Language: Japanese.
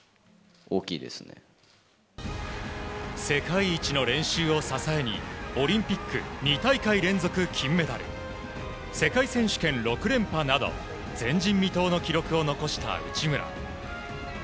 世界一の練習を支えにオリンピック２大会連続金メダル世界選手権６連覇など前人未到の記録を残した内村。